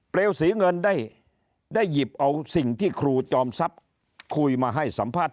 เลวสีเงินได้หยิบเอาสิ่งที่ครูจอมทรัพย์คุยมาให้สัมภาษณ์